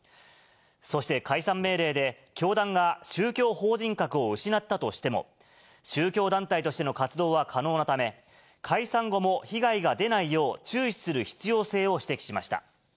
そして解散命令で、教団が宗教法人格を失ったとしても、宗教団体としての活動は可能なため、解散後も被害が出ないよう、注視する必要性を指摘しました。